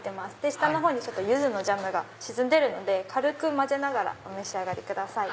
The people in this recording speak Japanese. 下のほうにユズのジャムが沈んでるので軽く混ぜながらお召し上がりください。